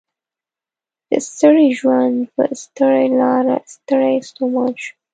د ستړي ژوند په ستړي لار ستړی ستومان شوم